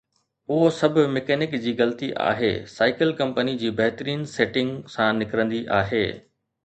اهو سڀ مکينڪ جي غلطي آهي، سائيڪل ڪمپني جي بهترين سيٽنگ سان نڪرندي آهي